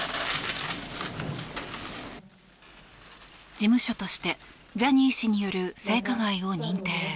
事務所としてジャニー氏による性加害を認定。